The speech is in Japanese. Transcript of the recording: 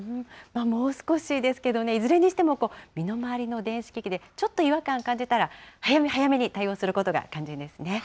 もう少しですけどね、いずれにしても身の回りの電子機器で、ちょっと違和感感じたら、早め早めに対応することが肝心ですね。